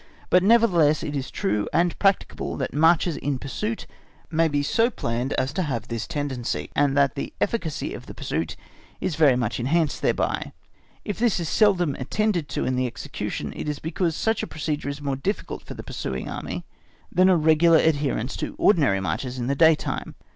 But nevertheless it is true and practicable that marches in pursuit may be so planned as to have this tendency, and that the efficacy of the pursuit is very much enchanced thereby. If this is seldom attended to in the execution, it is because such a procedure is more difficult for the pursuing Army, than a regular adherence to ordinary marches in the daytime.